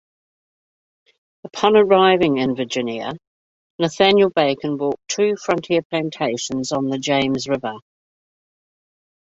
Upon arriving in Virginia, Nathaniel Bacon bought two frontier plantations on the James River.